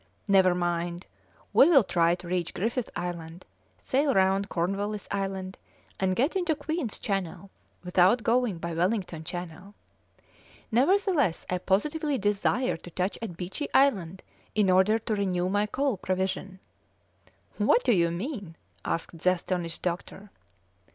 Never mind, we will try to reach Griffith Island, sail round Cornwallis Island, and get into Queen's Channel without going by Wellington Channel. Nevertheless I positively desire to touch at Beechey Island in order to renew my coal provision." "What do you mean?" asked the astonished doctor.